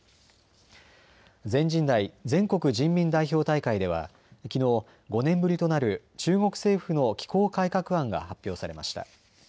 全人代・全国人民代表大会ではきのう５年ぶりとなる中国政府の機構改革案が発表されました。